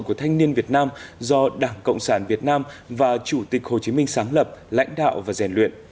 của thanh niên việt nam do đảng cộng sản việt nam và chủ tịch hồ chí minh sáng lập lãnh đạo và rèn luyện